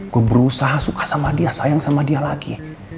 gue berusaha suka sama dia sayang sama dia lagi